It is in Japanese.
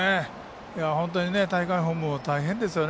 本当に大会本部も大変ですよね。